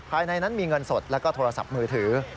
ภายในนั้นมีเงินสดแล้วก็โทรศัพท์มือถือ